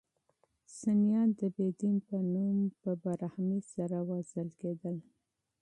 سنیان د بې دین په نوم په بې رحمۍ سره وژل کېدل.